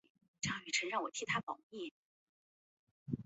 威茨斯普林斯是位于美国阿肯色州瑟西县的一个非建制地区。